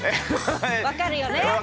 わかるよね？